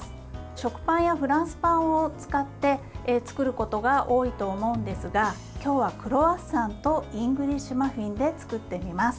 食パンやフランスパンを使って作ることが多いと思うんですが今日はクロワッサンとイングリッシュマフィンで作ってみます。